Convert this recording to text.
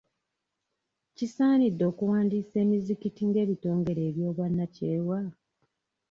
Kisaanidde okuwandiisa emizikiti ng'ebitongole eby'obwannakyewa?